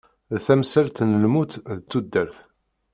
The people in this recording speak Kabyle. D tamsalt n lmut d tudert.